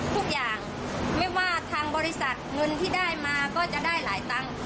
ทุกอย่างไม่ว่าทางบริษัทเงินที่ได้มาก็จะได้หลายตังค์